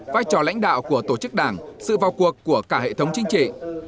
vai trò lãnh đạo của tổ chức đảng sự vào cuộc của cả hệ thống chính trị